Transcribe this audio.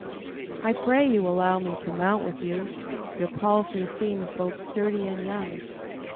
"I pray you allow me to mount with you, Your palfrey seems both sturdy and young."